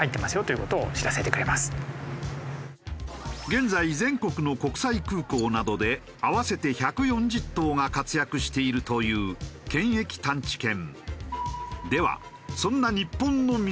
現在全国の国際空港などで合わせて１４０頭が活躍しているという検疫探知犬。